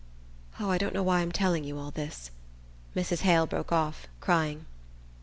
Oh, I don't know why I'm telling you all this," Mrs. Hale broke off, crying.